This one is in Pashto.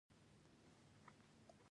احترام مینه پیدا کوي